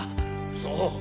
そう。